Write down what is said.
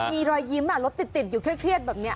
มีรอยยิ้มรถติดอยู่เครียดแบบนี้